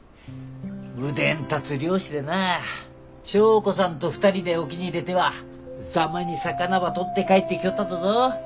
腕ん立つ漁師でな祥子さんと２人で沖に出てはざまに魚ば取って帰ってきよったとぞ。